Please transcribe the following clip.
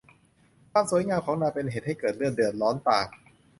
ความสวยงามของนางเป็นเหตุให้เกิดเรื่องเดือดร้อนต่าง